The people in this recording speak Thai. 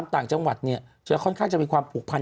รู้จริงรู้แหล่งรู้ที่รู้คน